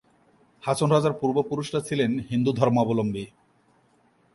হাছন রাজার পূর্ব পুরুষরা ছিলেন হিন্দু ধর্মালম্বী।